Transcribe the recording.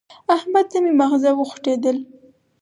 احمد ته مې ماغزه وخوټېدل.